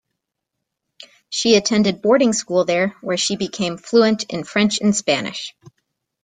She attended boarding school there, where she became fluent in French and Spanish.